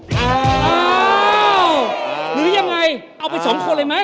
อ้าวหรือยังไงเอาไป๒คนเลยมั้ย